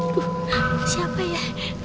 tuh siapa ya